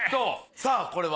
さぁこれは？